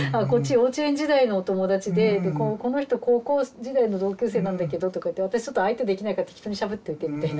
幼稚園時代のお友達でこの人高校時代の同級生なんだけどとか言って私ちょっと相手できないから適当にしゃべっといてみたいな。